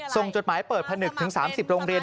จดหมายเปิดผนึกถึง๓๐โรงเรียน